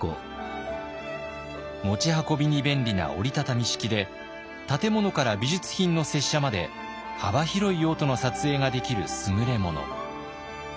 持ち運びに便利な折り畳み式で建物から美術品の接写まで幅広い用途の撮影ができる優れ物。